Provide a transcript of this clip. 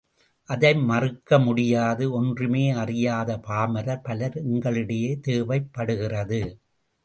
அதை மறுக்க முடியாது, ஒன்றுமே அறியாத பாமரர் பலர் எங்களிடையே தேவைப் படுகிறது.